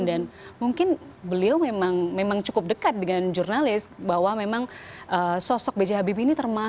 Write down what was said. dan mungkin beliau memang cukup dekat dengan jurnalis bahwa memang sosok b j habibi ini termasuk